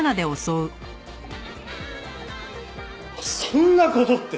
そんな事って！